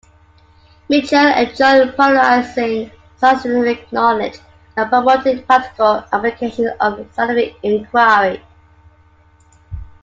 Mitchill enjoyed popularizing scientific knowledge and promoting practical applications of scientific inquiry.